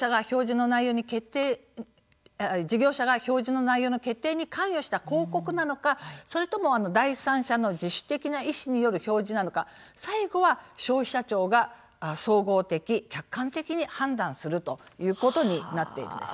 事業者が表示の内容の決定に関与した広告なのかそれとも第三者の自主的な意思による表示なのか最後は消費者庁が総合的・客観的に判断するということになっているんです。